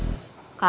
neng mau main kemana